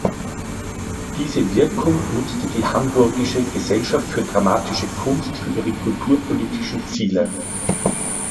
Diese Wirkung nutzte die hamburgische "Gesellschaft für dramatische Kunst" für ihre kulturpolitischen Ziele.